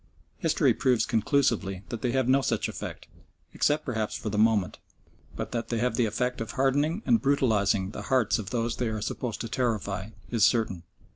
History proves conclusively that they have no such effect, except perhaps for the moment, but that they have the effect of hardening and brutalising the hearts of those they are supposed to terrify is certain.